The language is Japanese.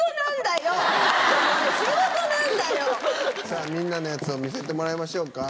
さあみんなのやつを見せてもらいましょうか。